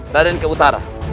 raden ke utara